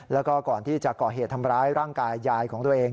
แล้วก็ก่อนที่จะก่อเหตุทำร้ายร่างกายยายของตัวเอง